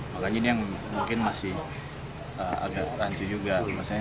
makanya ini yang mungkin masih agak rancu juga